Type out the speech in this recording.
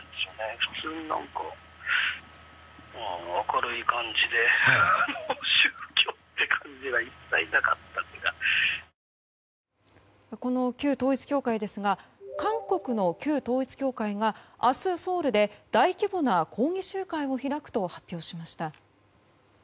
この旧統一教会ですが韓国の旧統一教会が明日ソウルで大規模な抗議集会を開くと発表しました。